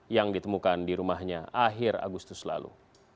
yang ditemukan di rumahnya akhir agustus lalu